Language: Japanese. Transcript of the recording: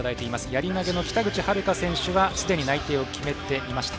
やり投げの北口榛花選手はすでに内定を決めていました。